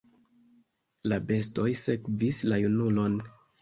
La bestoj sekvis la junulon.